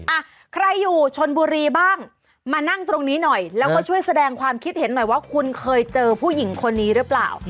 อ่ะใครอยู่ชนบุรีบ้างมานั่งตรงนี้หน่อยแล้วก็ช่วยแสดงความคิดเห็นหน่อยว่าคุณเคยเจอผู้หญิงคนนี้หรือเปล่า